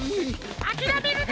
あきらめるな！